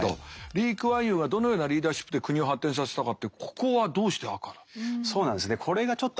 リー・クアンユーがどのようなリーダーシップで国を発展させたかってここはどうして赤なんですか？